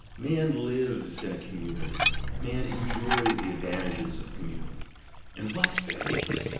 Man lives in a community, man enjoys the advan tages of a community (and what advantages!